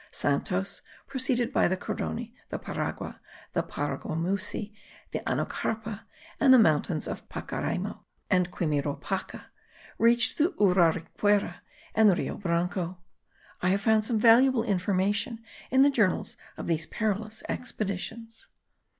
Santos, proceeding by the Carony, the Paragua, the Paraguamusi, the Anocapra, and the mountains of Pacaraymo and Quimiropaca, reached the Uraricuera and the Rio Branco. I found some valuable information in the journals of these perilous expeditions.